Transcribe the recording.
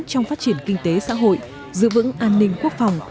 trong phát triển kinh tế xã hội giữ vững an ninh quốc phòng